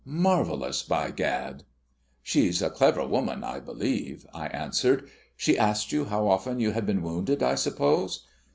Marvellous, by Gad!" "She's a clever woman, I believe," I answered. "She asked you how often you had been wounded, I suppose?"